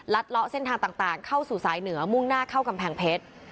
เลาะเส้นทางต่างเข้าสู่สายเหนือมุ่งหน้าเข้ากำแพงเพชร